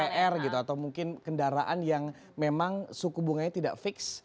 pr gitu atau mungkin kendaraan yang memang suku bunganya tidak fix